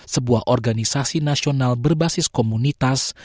sebuah organisasi nasional berbasis komunitas